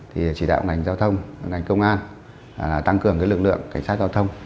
thì chỉ đạo ngành giao thông ngành công an tăng cường lực lượng cảnh sát giao thông